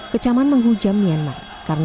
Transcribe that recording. kecaman menghujam myanmar